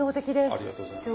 ありがとうございます。